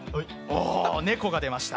ネコが出ました。